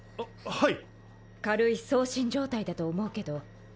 はい。